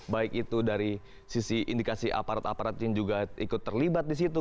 baik itu dari sisi indikasi aparat aparat yang juga ikut terlibat di situ